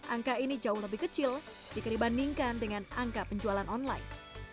angka ini jauh lebih kecil jika dibandingkan dengan angka penjualan online